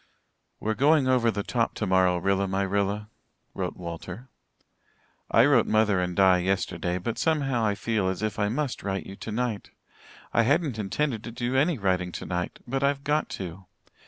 "We're going over the top tomorrow, Rilla my Rilla," wrote Walter. "I wrote mother and Di yesterday, but somehow I feel as if I must write you tonight. I hadn't intended to do any writing tonight but I've got to.